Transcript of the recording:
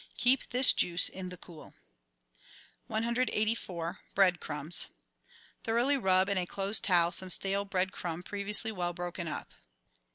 Keep this juice in the cool. 1 84— BREAD CRUMBS Thoroughly rub, in a closed towel, some stale bread crumb previously well broken up.